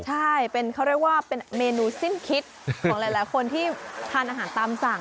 ใช่เป็นเขาเรียกว่าเป็นเมนูสิ้นคิดของหลายคนที่ทานอาหารตามสั่ง